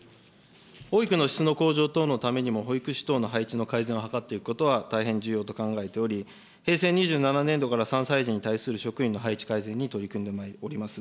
保育の質の向上等のためにも、保育士等の配置の改善を図っていくことは大変重要と考えており、平成２７年度から３歳児に対する職員の配置改善に取り組んでおります。